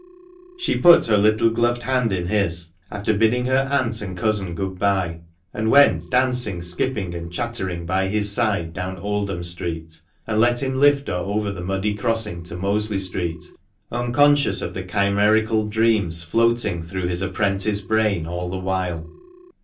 She put her little gloved hand in his, after bidding her aunt and cousin good bye, and went dancing, skipping, and chattering by his side down Oldham Street, and let him lift her over the muddy crossing to Mosley Street, unconscious of the chimerical dreams floating through his apprentice brain all the while.